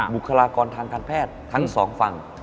บุคลากรทางการแพทย์ทั้งสองฝั่ง